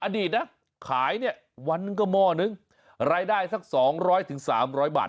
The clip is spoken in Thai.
อดีตนะขายเนี่ยวันก็หม้อนึงรายได้สักสองร้อยถึงสามร้อยบาท